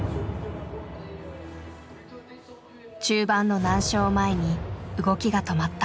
中盤の難所を前に動きが止まった。